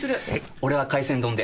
俺は海鮮丼で。